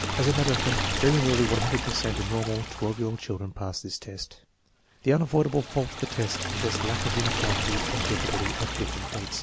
As a matter of fact, very nearly 100 per cent of normal 12 year old children pass this test. The unavoidable fault of the test is its lack of uniform ity in difficulty at different dates.